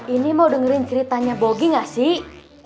ini mau dengerin ceritanya bogi gak sih